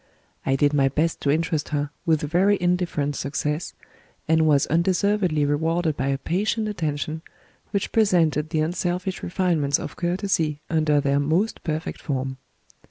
I did my best to interest her, with very indifferent success, and was undeservedly rewarded by a patient attention, which presented the unselfish refinements of courtesy under their most perfect form.